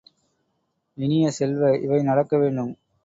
இனிய செல்வ, இவை நடக்க வேண்டும்!